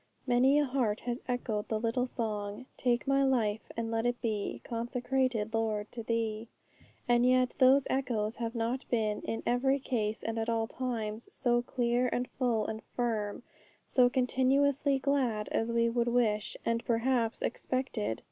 '_ Many a heart has echoed the little song: 'Take my life, and let it be Consecrated, Lord, to Thee!' And yet those echoes have not been, in every case and at all times, so clear, and full, and firm, so continuously glad as we would wish, and perhaps expected.